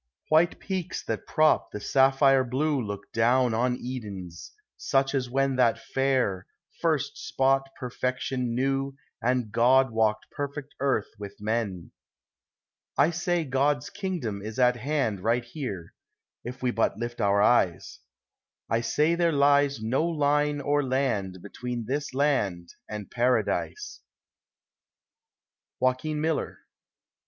White peaks that prop the sapphire blue Look down on Edens, such as when That fair, first spot perfection knew And God walked perfect earth with men. I say God's kingdom is at hand Right here, if we but lift our eyes ; I say there lies no line or land Between this land and Paradise. JOAQUIN MILLER.